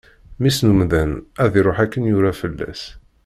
Mmi-s n umdan ad iṛuḥ akken yura fell-as.